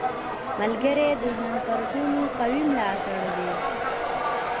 • ملګری د ژوند تر ټولو قوي ملاتړی دی.